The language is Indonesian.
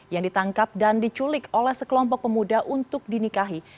yang ditangkap dan diculik oleh sekelompok pemuda untuk dinikahi